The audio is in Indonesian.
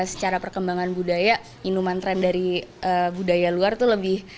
secara perkembangan budaya minuman tren dari budaya luar tuh